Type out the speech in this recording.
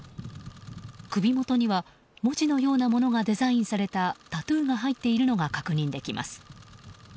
首元には文字のようなものがデザインされたタトゥーが入っているのが確認できます。